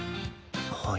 はい？